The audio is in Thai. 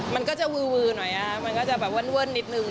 มันก็จะวือหน่อยมันก็จะแบบเว่นนิดนึง